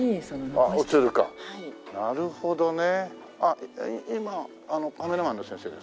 あっなるほどね。